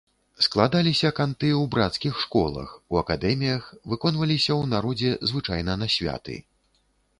Складаліся канты ў брацкіх школах, у акадэміях, выконваліся ў народзе звычайна на святы.